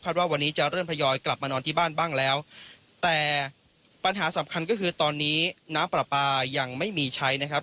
ว่าวันนี้จะเริ่มทยอยกลับมานอนที่บ้านบ้างแล้วแต่ปัญหาสำคัญก็คือตอนนี้น้ำปลาปลายังไม่มีใช้นะครับ